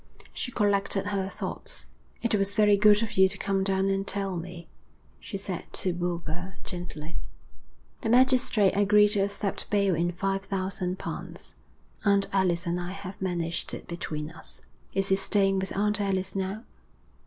She collected her thoughts. 'It was very good of you to come down and tell me,' she said to Boulger gently. 'The magistrate agreed to accept bail in five thousand pounds. Aunt Alice and I have managed it between us.' 'Is he staying with Aunt Alice now?'